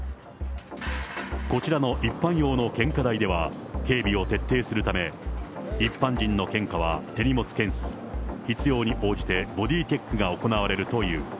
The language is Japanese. こちらの一般用の献花台では、警備を徹底するため、一般人の献花は手荷物検査、必要に応じてボディーチェックが行われるという。